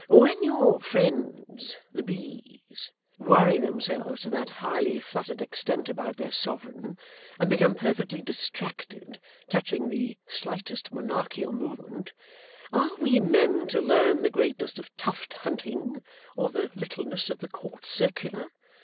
When your friends the bees worry themselves to that highly fluttered extent about their sovereign, and become perfectly distracted touching the slightest monarchical movement, are we men to learn the greatness of Tuft hunting, or the littleness of the Court Circular?